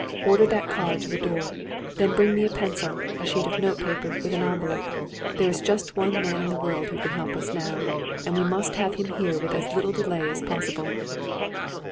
Order that car to the door; then bring me a pencil, a sheet of note paper and an envelope. There is just one man in the world who can help us now, and we must have him here with as little delay as possible."